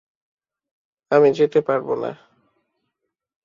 আমি যেতে পারব না।